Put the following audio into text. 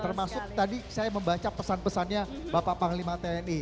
termasuk tadi saya membaca pesan pesannya bapak panglima tni